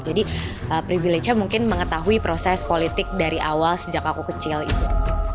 jadi privilagenya mungkin mengetahui proses politik dari awal sejak aku kecil itu